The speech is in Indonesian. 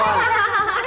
aduh apa ini